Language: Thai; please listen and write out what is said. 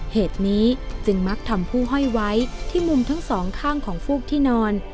เหตุนี้จึงมักทำผู้ห้อยไว้ที่มุมทั้งสองข้างของฟูกที่นอน